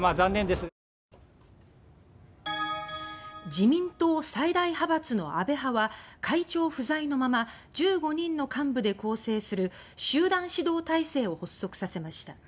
自民党最大派閥の安倍派は会長不在のまま１５人の幹部で構成する集団指導体制を発足させました。